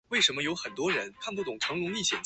其论元结构为作通格语言。